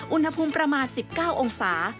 อุณหภูมิประมาณ๑๙องศา